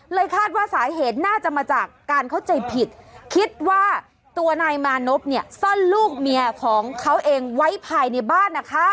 คาดว่าสาเหตุน่าจะมาจากการเข้าใจผิดคิดว่าตัวนายมานพเนี่ยซ่อนลูกเมียของเขาเองไว้ภายในบ้านนะคะ